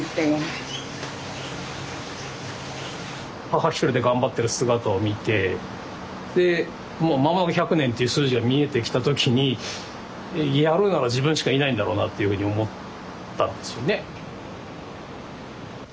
母一人で頑張ってる姿を見てでもう間もなく１００年という数字が見えてきた時にやるなら自分しかいないんだろうなっていうふうに思ったんですよね。